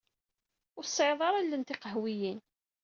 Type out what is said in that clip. Ur tesɛiḍ ara allen tiqehwiyin.